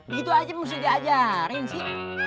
eh gitu aja mesti dia ajarin sih